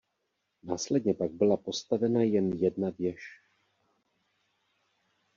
Následně pak byla postavena jen jedna věž.